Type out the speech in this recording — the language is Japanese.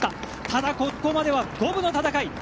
ただ、ここまでは五分の戦い。